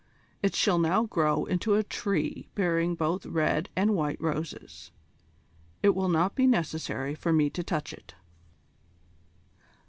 It shall now grow into a tree bearing both red and white roses. It will not be necessary for me to touch it."